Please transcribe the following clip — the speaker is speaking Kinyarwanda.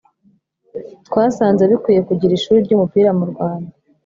twasanze bikwiye kugira ishuli ry’umupira mu Rwanda